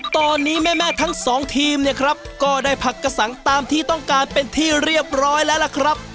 ตอนนี้แม่ทั้งสองทีมเนี่ยครับก็ได้ผักกระสังตามที่ต้องการเป็นที่เรียบร้อยแล้วล่ะครับ